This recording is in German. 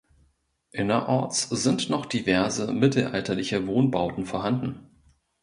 Innerorts sind noch diverse mittelalterliche Wohnbauten vorhanden.